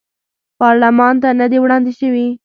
پارلمان ته نه دي وړاندې شوي.